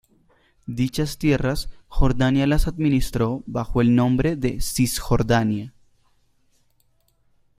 Dichas tierras, Jordania las administró bajo el nuevo nombre de Cisjordania.